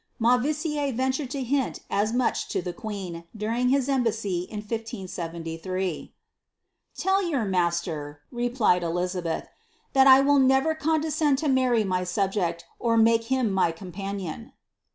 Mau Tissiere Tentured to hint as much to the queen, during his embassy in 1573. *^ Tell yonr master," replied Elizabeth, ^ that I will never con descend to marry my subject, or make him my companion."